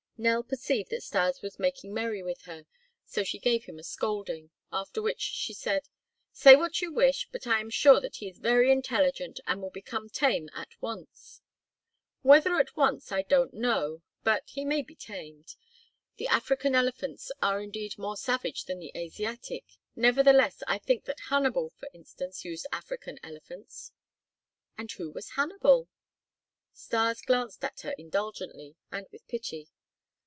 Nell perceived that Stas was making merry with her, so she gave him a scolding; after which she said: "Say what you wish, but I am sure that he is very intelligent and will become tame at once." "Whether at once I don't know, but he may be tamed. The African elephants are indeed more savage than the Asiatic; nevertheless, I think that Hannibal, for instance, used African elephants." "And who was Hannibal?" Stas glanced at her indulgently and with pity.